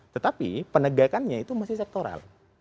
tetapi penegakannya itu masih sektoral